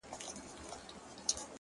ته ټيک هغه یې خو اروا دي آتشي چیري ده ـ